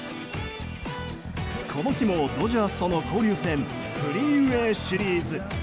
この日もドジャースとの交流戦フリーウエーシリーズ。